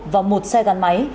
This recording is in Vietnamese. và một xe gắn máy